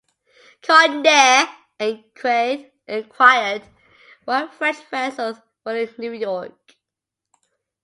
Courtnay enquired what French vessels were in New York.